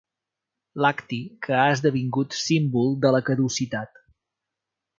Lacti que ha esdevingut símbol de la caducitat.